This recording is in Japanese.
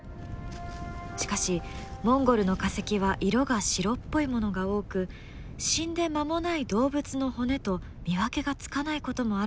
しかしモンゴルの化石は色が白っぽいものが多く死んで間もない動物の骨と見分けがつかないこともあるといいます。